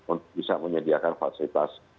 untuk bisa menyediakan fasilitas